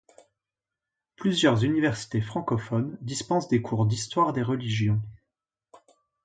Plusieurs universités francophones dispensent des cours d'histoire des religions.